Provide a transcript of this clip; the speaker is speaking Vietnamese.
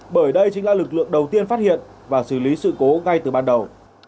bởi đây chính là lực lượng đầu tiên phát hiện và xử lý sự cố ngay từ ban đầu